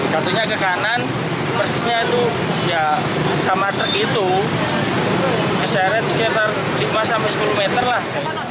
jatuhnya ke kanan persisnya itu ya sama truk itu keseret sekitar lima sampai sepuluh meter lah